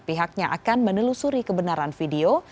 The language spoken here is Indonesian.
pihaknya akan menelusuri kebenaran video